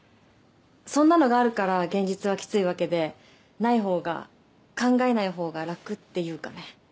そんなのがあるから現実はきついわけでないほうが考えないほうが楽っていうかね